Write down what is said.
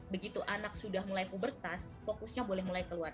begitu anak sudah mulai pubertas fokusnya boleh mulai keluar